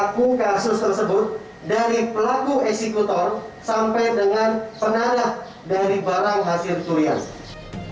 pelaku kasus tersebut dari pelaku eksekutor sampai dengan penanggah dari barang hasil kuliah